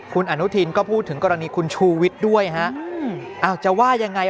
คุณอนุทินก็พูดถึงกรณีคุณชูวิทย์ด้วยฮะอ้าวจะว่ายังไง